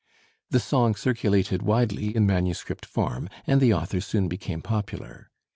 The song circulated widely in manuscript form, and the author soon became popular.